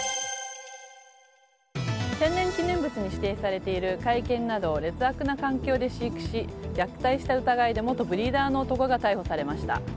天然記念物に指定されている甲斐犬などを劣悪な環境で飼育し虐待した疑いで元ブリーダーの男が逮捕されました。